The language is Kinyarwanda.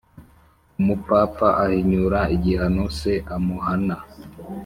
Umupfapfa ahinyura igihano se amuhana